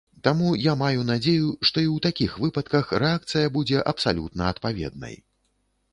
Таму я маю надзею, што і ў такіх выпадках рэакцыя будзе абсалютна адпаведнай.